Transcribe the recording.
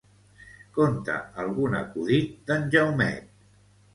Conta algun acudit d'en Jaumet.